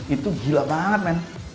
itu gila banget men